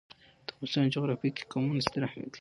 د افغانستان جغرافیه کې قومونه ستر اهمیت لري.